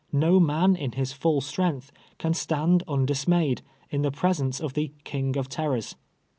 Xo man, in his full strength, can stand undismayed, in the presence of the " king of terrors."